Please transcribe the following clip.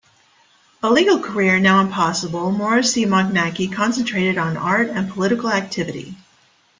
A legal career now impossible, Maurycy Mochnacki concentrated on art and political activity.